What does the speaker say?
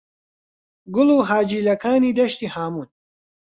«گوڵ و حاجیلەکانی دەشتی هاموون»